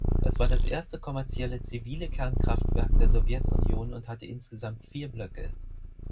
Es war das erste kommerzielle zivile Kernkraftwerk der Sowjetunion und hat insgesamt vier Blöcke.